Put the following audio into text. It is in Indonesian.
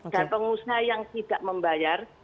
dan pengusaha yang tidak membayar